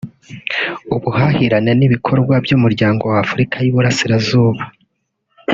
ubuhahirane n’ibikorwa by’umuryango w’Afurika y’iburasirazuba